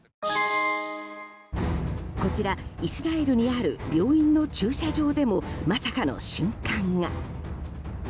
こちらイスラエルにある病院の駐車場でもまさかの瞬間が。